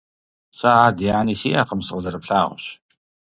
Сэ ади ани сиӀэкъым. Сыкъызэрыплъагъущ.